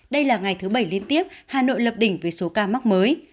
đây là ngày thứ bảy liên tiếp hà nội lập đỉnh về số ca mắc mới